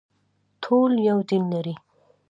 ټول یو دین لري